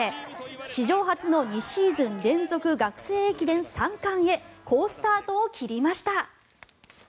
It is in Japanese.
史上初の２シーズン連続学生駅伝３冠へ好スタートを切りました。